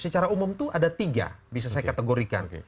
secara umum itu ada tiga bisa saya kategorikan